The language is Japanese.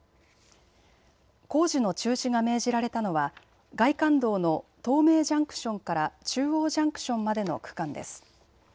工事の中止が命じられたのは外環道の東名ジャンクションから中央ジャンクションまでの区間です。